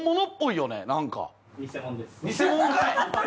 偽物かい！